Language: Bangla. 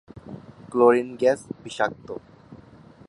ক্লোরিন গ্যাস বিষাক্ত।